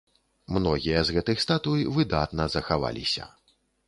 Многія з гэтых статуй выдатна захаваліся.